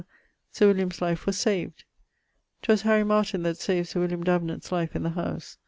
Sir William's life was saved[LIII.]. [LIII.] 'Twas Harry Martyn that saved Sir William Davenant's life in the Howse.